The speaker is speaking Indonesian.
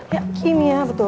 ya kimia betul